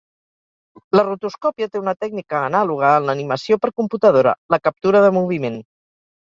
La rotoscòpia té una tècnica anàloga en l'animació per computadora: la captura de moviment.